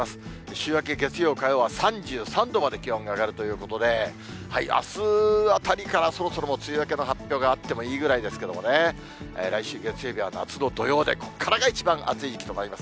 週明け月曜、火曜は、３３度まで気温が上がるということで、あすあたりから、そろそろ梅雨明けの発表があってもいいぐらいですけどもね、来週月曜日は夏の土用で、ここからが一番暑い時期となります。